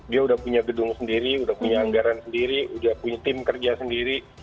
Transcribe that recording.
dia sudah punya gedung sendiri sudah punya anggaran sendiri sudah punya tim kerja sendiri